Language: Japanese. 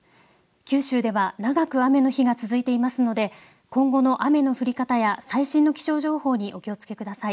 九州では長く雨の日が続いていますので今後の雨の降り方や最新の気象情報にお気をつけください。